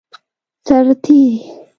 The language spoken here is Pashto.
سرتیری